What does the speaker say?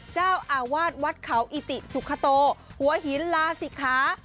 เจ้าอาวาสวัดเขาอิติสุขโตหัวหินลาศิกขา